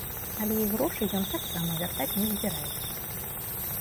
Але і грошы ён таксама вяртаць не збіраецца.